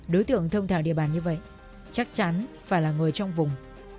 đối tượng thông thảo địa bàn như vậy chắc chắn phải là người trong vùng